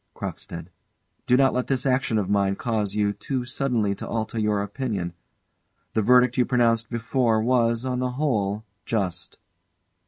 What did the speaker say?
CROCKSTEAD. Do not let this action of mine cause you too suddenly to alter your opinion. The verdict you pronounced before was, on the whole, just.